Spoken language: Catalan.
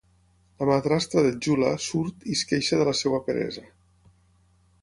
La madrastra de Djula surt i es queixa de la seva peresa.